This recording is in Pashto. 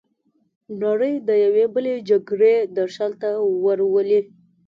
نړۍ د یوې بلې جګړې درشل ته ورولي.